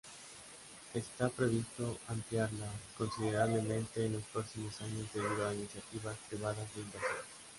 Está previsto ampliarla considerablemente en los próximos años debido a iniciativas privadas de inversión.